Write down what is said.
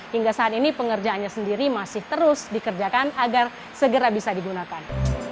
hingga saat ini pengerjaannya sendiri masih terus dikerjakan agar segera bisa digunakan